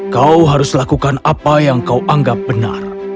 kau harus lakukan apa yang kau anggap benar